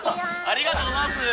ありがとうございます！